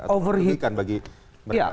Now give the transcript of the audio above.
atau menguntungkan bagi mereka